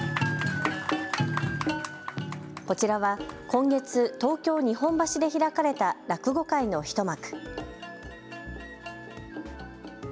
こちらは今月、東京・日本橋で開かれた落語会の一幕。